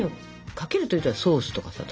かけるっていったらソースとかさ。